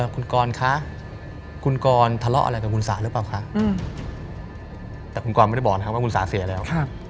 คุณกรคะคุณกรทะเลาะอะไรกับคุณสาหรือเปล่าคะแต่คุณกรไม่ได้บอกนะครับว่าคุณสาเสียแล้ว